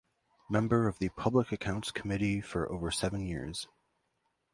Member of the Public Accounts Committee for over seven years.